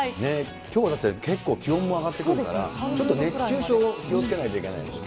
きょうはだって、結構気温も上がってくるから、ちょっと熱中症、気をつけないといけないでしょ。